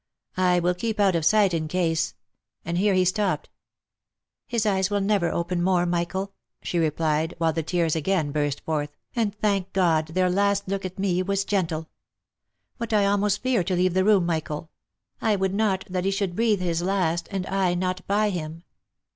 I will keep out of sight in case —" and here he stopped. " His eyes will never open more, Michael!" she replied, while the tears again burst forth, u and thank God their last look at me was gentle ! But I almost fear to leave the room, Michael — I would not that he should breathe his last, and I not by him."